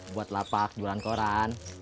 buat lapak jualan koran